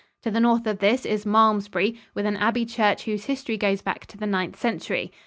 To the north of this is Malmesbury, with an abbey church whose history goes back to the Ninth Century.